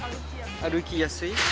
歩きやすい。